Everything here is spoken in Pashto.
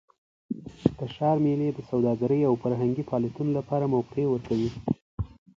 د ښار میلې د سوداګرۍ او فرهنګي فعالیتونو لپاره موقع ورکوي.